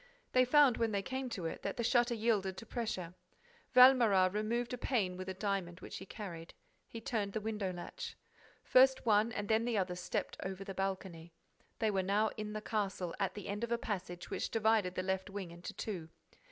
They found, when they came to it, that the shutter yielded to pressure. Valméras removed a pane with a diamond which he carried. He turned the window latch. First one and then the other stepped over the balcony. They were now in the castle, at the end of a passage which divided the left wing into two.